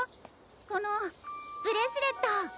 このブレスレット。